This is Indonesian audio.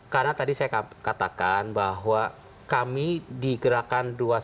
karena tadi saya katakan bahwa kami digerakkan dengan kebenaran